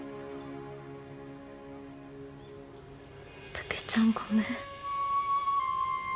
たけちゃんごめん。